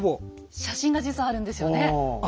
写真が実はあるんですよね。